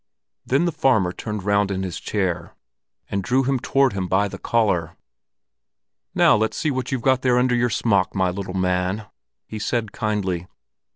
Then the farmer turned round in his chair, and drew him toward him by the collar. "Now let's see what you've got there under your smock, my little man!" he said kindly.